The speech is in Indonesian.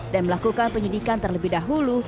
dan melakukan penyidikan terlebih dahulu